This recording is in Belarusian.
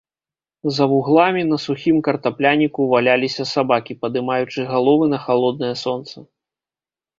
За вугламі, на сухім картапляніку, валяліся сабакі, падымаючы галовы на халоднае сонца.